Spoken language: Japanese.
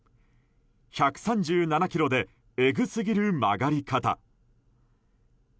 １３７キロでえぐすぎる曲がり方。